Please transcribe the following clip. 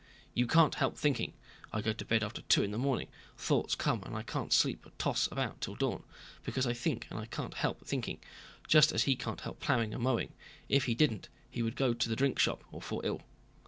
You can't help thinking. I go to bed after two in the morning, thoughts come and I can't sleep but toss about till dawn, because I think and can't help thinking, just as he can't help plowing and mowing; if he didn't, he would go to the drink shop or fall ill.